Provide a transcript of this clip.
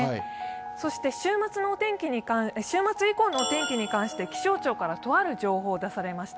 そして週末以降のお天気に関して気象庁からとある情報が出されました。